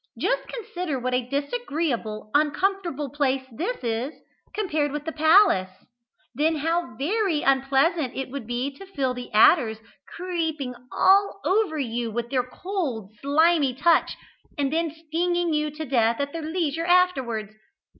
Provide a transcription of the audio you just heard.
Just consider what a disagreeable, uncomfortable place this is, compared with the palace. Then how very unpleasant it would be to feel the adders, creeping all over you with their cold, slimy touch, and then stinging you to death at their leisure afterwards.